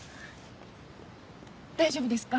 大丈夫ですか？